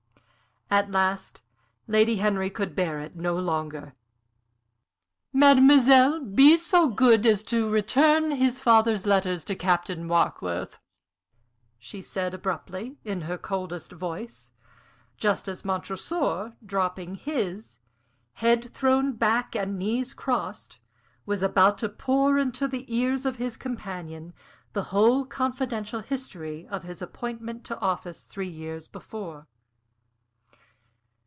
At last Lady Henry could bear it no longer. "Mademoiselle, be so good as to return his father's letters to Captain Warkworth," she said, abruptly, in her coldest voice, just as Montresor, dropping his head thrown back and knees crossed was about to pour into the ears of his companion the whole confidential history of his appointment to office three years before.